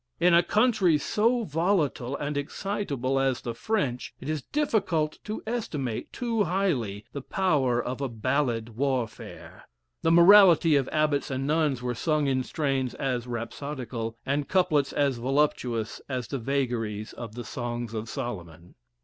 In a country so volatile and excitable as the French, it is difficult to estimate too highly the power of a ballad warfare. The morality of Abbots and Nuns were sung in strains as rhapsodical, and couplets as voluptuous as the vagaries of the Songs of Solomon.